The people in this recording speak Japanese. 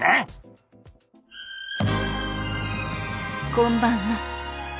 こんばんは。